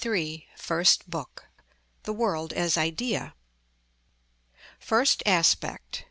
_ FIRST BOOK. THE WORLD AS IDEA. First Aspect.